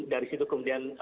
dari situ kemudian